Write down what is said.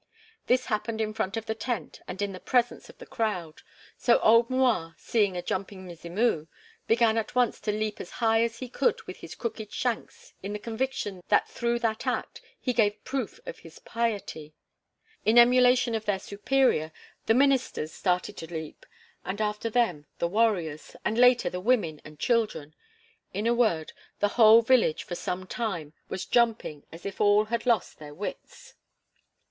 This happened in front of the tent and in the presence of the crowd, so old M'Rua, seeing a jumping Mzimu, began at once to leap as high as he could with his crooked shanks in the conviction that through that act he gave proof of his piety. In emulation of their superior "the ministers" started to leap, and after them the warriors, and later the women and children; in a word, the whole village for some time was jumping as if all had lost their wits.